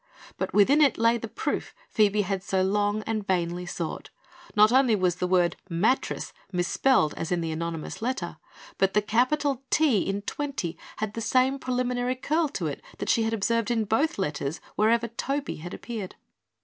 But within it lay the proof Phoebe had so long and vainly sought. Not only was the word "mattress" misspelled as in the anonymous letter, but the capital "T" in "Twenty" had the same preliminary curl to it that she had observed in both letters, wherever "Toby" had appeared.